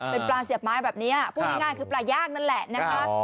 เป็นปลาเสียบไม้แบบนี้พูดง่ายคือปลาย่างนั่นแหละนะคะ